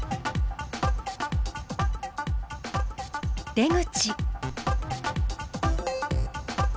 出口。